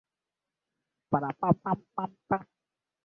hewani kuna njia tatu za kuingiza sauti kwenye kituo cha redio